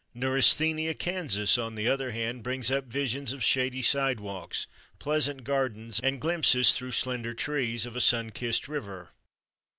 Neurasthenia, Kansas, on the other hand, brings up visions of shady sidewalks, pleasant gardens, and glimpses through slender trees, of a sun kissed river.